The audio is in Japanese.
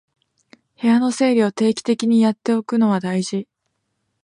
部屋の整理を定期的にやっておくのは大事